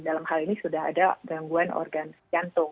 dalam hal ini sudah ada gangguan organ jantung